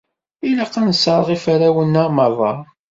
Ilaq ad nesserɣ iferrawen-a merra.